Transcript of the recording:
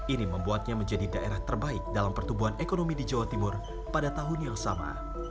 ini membuatnya menjadi daerah terbaik dalam pertumbuhan ekonomi di jawa timur pada tahun yang sama